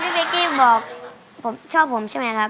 เวลาพี่เป็กกี้บอกชอบผมใช่มีครับ